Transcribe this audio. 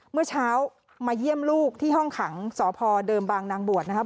เมื่อเช้ามาเยี่ยมลูกที่ห้องขังสพเดิมบางนางบวชนะครับ